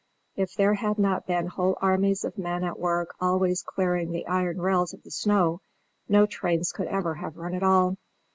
If there had not been whole armies of men at work always clearing the iron rails of the snow, no trains could ever have run at all.